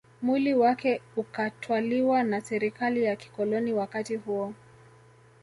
Mwili wake ukatwaliwa na Serikali ya kikoloni wakati huo